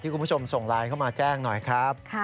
คุณผู้ชมส่งไลน์เข้ามาแจ้งหน่อยครับ